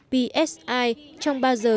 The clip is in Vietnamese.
psi trong ba giờ